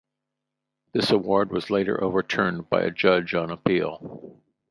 This award was later overturned by a judge on appeal.